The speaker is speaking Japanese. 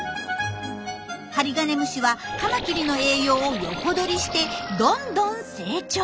ハリガネムシはカマキリの栄養を横取りしてどんどん成長。